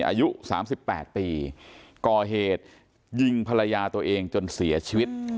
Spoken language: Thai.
อายุ๓๘ปีก่อเหตุยิงภรรยาตัวเองจนเสียชีวิต